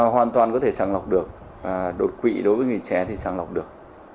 hoàn toàn có thể sàng lọc được đột quỵ đối với người trẻ thì sàng lọc được